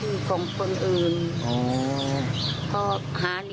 รู้แต่ว่าวันนั้นคือเขารับไป